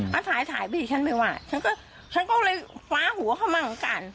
เขาถ่ายไปฉันไม่ว่าฉันก็เลยฟ้าหัวเขามาเหมือนกัน